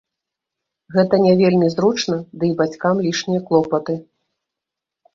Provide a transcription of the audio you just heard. Гэта не вельмі зручна, ды і бацькам лішнія клопаты.